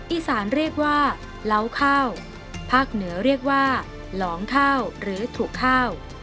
อีสานเรียกว่าเล้าข้าวภาคเหนือเรียกว่าหลองข้าวหรือถูกข้าว